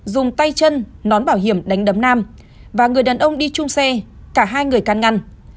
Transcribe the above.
dùng tay chân nón bảo hiểm đánh đấm nam và người đàn ông đi chung xe cả hai người can ngăn